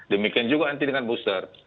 demikian juga nanti dengan booster